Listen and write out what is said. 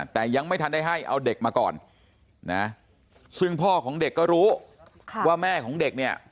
แต่ยังไม่ทันได้ให้เอาเด็กมาก่อนนะซึ่งพ่อของเด็กก็รู้ว่าแม่ของเด็กเนี่ย